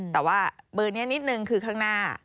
แต่ว่าเบอร์นี้นิดนึงคือข้างหน้า